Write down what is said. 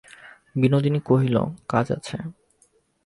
বিনোদিনী কহিল, কাজ আছে।